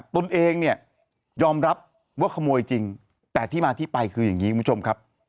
ตนเองเนี่ยยอมรับว่าขโมยจริงแต่ที่มาที่ไปคืออย่างนี้คุณผู้ชมครับ